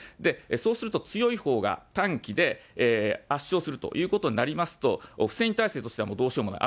そうすると、強いほうが短期で圧勝するということになりますと、フセイン体制としてはどうしようもない。